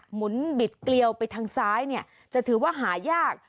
หมุนบิดเกลียวไปทางซ้ายเนี่ยจะถือว่าหายาก